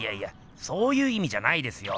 そういういみじゃないですよ！